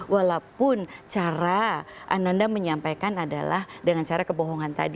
walaupun cara ananda menyampaikan adalah dengan cara kebohongan tadi